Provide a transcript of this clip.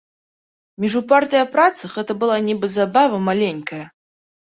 Між упартае працы гэта была нібы забава маленькая.